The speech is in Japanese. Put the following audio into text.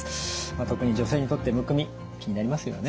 特に女性にとってむくみ気になりますよね。